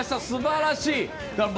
すばらしい！